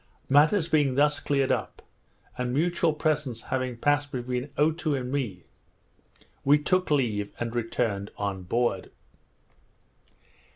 Matters being thus cleared up, and mutual presents having passed between Otoo and me, we took leave and returned on board.